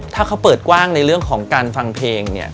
ถ้าเขาเปิดกว้างในเรื่องของการฟังเพลงเนี่ย